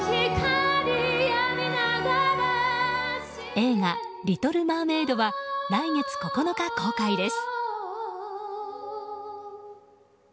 映画「リトル・マーメイド」は来月９日公開です。